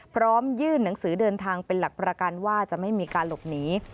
พร้อมยื่นหนังสือเดินทางเป็นหลักประกันว่าจะไม่มีการหลบหนี